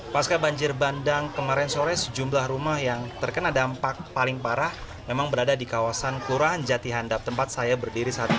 pasca banjir bandang kemarin sore sejumlah rumah yang terkena dampak paling parah memang berada di kawasan kelurahan jati handap tempat saya berdiri saat ini